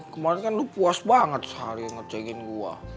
kemarin kan lu puas banget seharian ngecengin gua